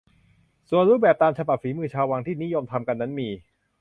ส่วนรูปตามแบบฉบับฝีมือชาววังที่นิยมทำกันนั้นมี